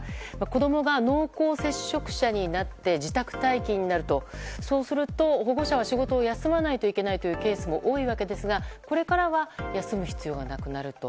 子供が濃厚接触者になって自宅待機になると、保護者は仕事を休まないといけないというケースも多いわけですがこれからは休む必要がなくなると。